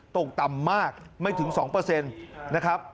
ตกต่ำมากไม่ถึง๒นะครับ